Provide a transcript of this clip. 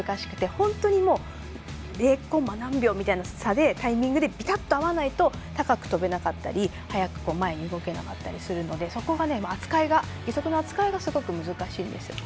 本当に０コンマ何秒みたいなタイミングで合わないと高く跳べなかったり早く前に動けなかったりするのでそこが、義足の扱いがすごく難しいんですよね。